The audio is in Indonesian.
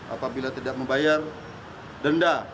apabila tidak membayar denda